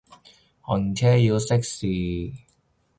停車要熄匙